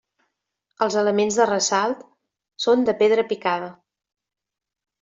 Els elements de ressalt són de pedra picada.